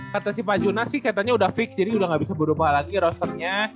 kata si pak juna sih katanya udah fix jadi udah gak bisa berubah lagi rosternya